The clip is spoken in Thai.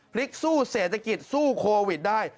พลิกสู้เศรษฐกิจสู้โควิดได้